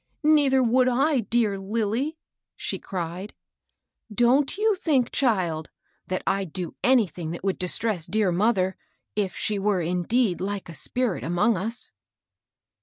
" Neither would I, dear Lilly !" she cried ;^< don't you think, child, that I'd do anything that would distress dear mother, if she were indeed like a spirit among us."